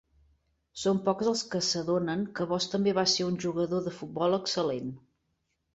Són pocs els que s'adonen que Voss també va ser un jugador de futbol excel·lent.